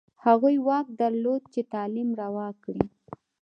هغوی واک درلود چې تعلیم روا کړي.